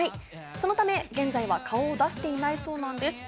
そのため現在は顔を出していないそうなんです。